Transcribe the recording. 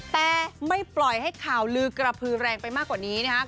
แต่ไม่ปล่อยให้ข่าวลือกระพือแรงไปมากกว่านี้นะครับ